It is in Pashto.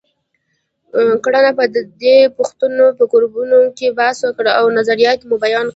کړنه: پر دې پوښتنو په ګروپونو کې بحث وکړئ او نظریات مو بیان کړئ.